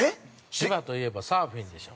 ◆千葉といえば、サーフィンでしょう。